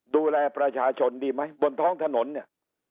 ดูแลประชาชนดีไหมบนท้องถนนเนี่ย